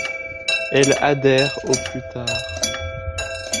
Elle adhère au plus tard.